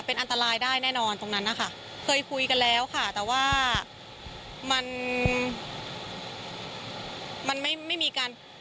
เป็นอันตรายได้แน่นอนตรงนั้นนะคะเคยคุยกันแล้วค่ะแต่ว่ามันมันไม่ไม่มีการ